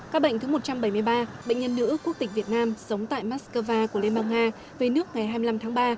các bệnh thứ một trăm bảy mươi ba bệnh nhân nữ quốc tịch việt nam sống tại moscow của liên bang nga về nước ngày hai mươi năm tháng ba